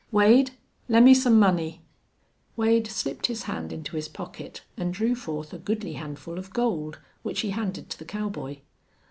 "Wade, lemme some money." Wade slipped his hand into his pocket and drew forth a goodly handful of gold, which he handed to the cowboy.